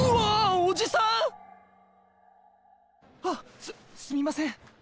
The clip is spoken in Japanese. あすすみません。